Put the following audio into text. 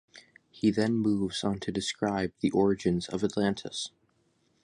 He then moves on to describe the origins of Atlantis.